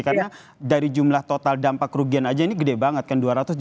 karena dari jumlah total dampak kerugian aja ini gede banget kan